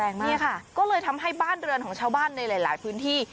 มากเนี่ยค่ะก็เลยทำให้บ้านเรือนของชาวบ้านในหลายพื้นที่